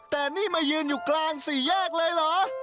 แต่นี่มายืนอยู่กลางสี่แยกเลยเหรอ